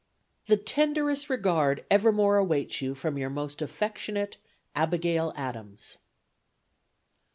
"The tenderest regard evermore awaits you from your most affectionate "ABIGAIL ADAMS."